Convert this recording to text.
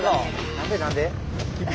何で何で？